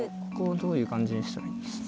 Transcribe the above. ここをどういう感じにしたら。